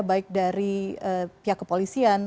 baik dari pihak kepolisian